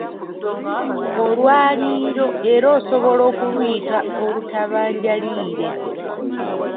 Olwaliiro era osobola okuluyita olutabanjaliire